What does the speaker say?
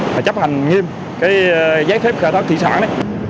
và chấp hành nghiêm giấy phép khai thác thủy sản